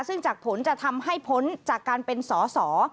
ซึ่งจากผลจะทำให้พ้นจากการเป็นสอสอ